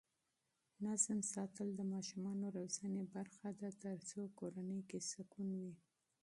نظم ساتل د ماشومانو روزنې برخه ده ترڅو کورنۍ کې سکون وي.